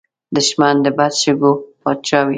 دښمن د بد شګو پاچا وي